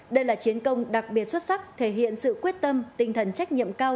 đây là chiến công đặc biệt xuất sắc thể hiện sự quyết tâm tinh thần trách nhiệm cao